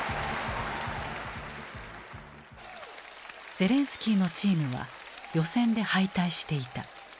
ゼレンスキーのチームは予選で敗退していた。